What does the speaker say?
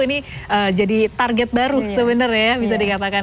ini jadi target baru sebenarnya ya bisa dikatakan